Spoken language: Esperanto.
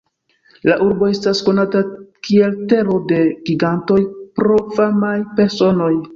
La urbo estas konata kiel "Tero de Gigantoj" pro famaj personoj.